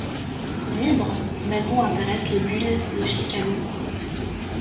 Libre, Mason intéresse les Bulls de Chicago.